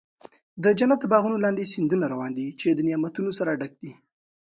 د جنت د باغونو لاندې سیندونه روان دي، چې د نعمتونو سره ډک دي.